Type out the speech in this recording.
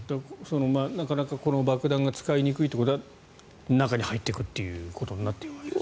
なかなかこの爆弾が使いにくいということで中に入っていくということになっていく？